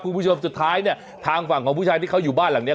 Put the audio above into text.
คุณผู้ชมสุดท้ายเนี่ยทางฝั่งของผู้ชายที่เขาอยู่บ้านหลังเนี้ย